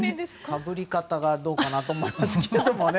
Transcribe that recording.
かぶり方がどうかなと思いますけどね。